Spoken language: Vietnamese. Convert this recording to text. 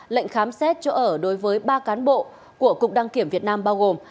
lệnh khám xét chỗ ở đối với ba cán bộ của cục đăng kiểm việt nam bao gồm